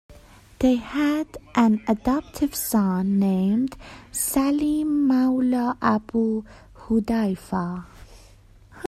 They had an adoptive son named Salim mawla Abu Hudaifa.